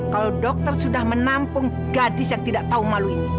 kalau dokter sudah menampung gadis yang tidak tahu malu ini